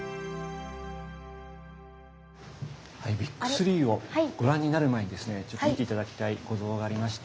ビッグ３をご覧になる前にですねちょっと見て頂きたいお像がありまして。